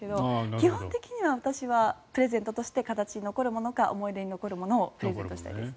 基本的には私はプレゼントとして形に残るものか思い出に残るものをプレゼントしたいです。